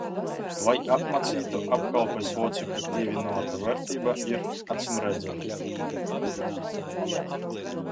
Labi apmācītu apkalpes locekļu pievienotā vērtība ir acīmredzama.